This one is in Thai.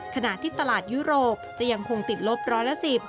ขณะที่ตลาดยุโรปจะยังคงติดลบร้อยละ๑๐